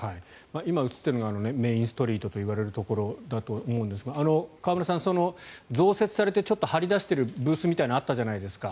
今、映っているのがメインストリートといわれるところだと思うんですが河村さん、増設されてちょっと張り出しているブースみたいなのがあったじゃないですか。